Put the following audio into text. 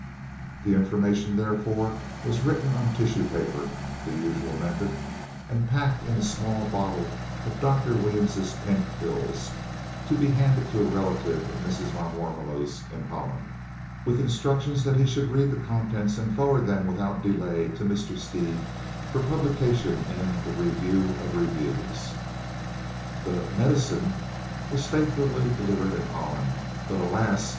The information, therefore, was written on tissue paper (the usual method) and packed in a small bottle of Dr. Williams's Pink Pills, to be handed to a relative of Mrs. van Warmelo's in Holland, with instructions that he should read the contents and forward them without delay to Mr. Stead for publication in the Review of Reviews. The "medicine" was faithfully delivered in Holland, but alas!